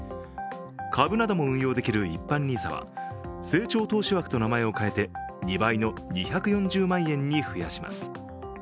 株なども運用できる一般ＮＩＳＡは成長投資枠と名前を変えて２倍の２４０万円に増やします。